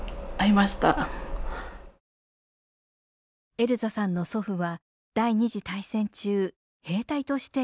エルザさんの祖父は第２次大戦中兵隊としてインドネシアにいました。